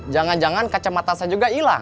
jangan jangan kacamata saya juga hilang